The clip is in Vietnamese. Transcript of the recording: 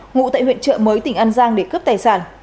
ngụ tại huyện trợ mới tỉnh an giang để cướp tài sản